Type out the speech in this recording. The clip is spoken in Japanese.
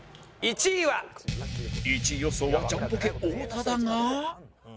１位予想はジャンポケ太田だが